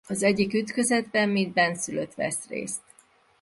Az egyik ütközetben mint bennszülött vesz részt.